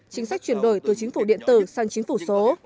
chính sách chuyển đổi từ chính phủ điện tử sang chính phủ số